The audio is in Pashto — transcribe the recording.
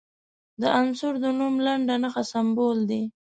د عنصر د نوم لنډه نښه سمبول دی.